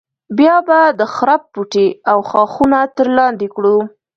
بیا به د خرپ بوټي او ښاخونه تر لاندې کړو.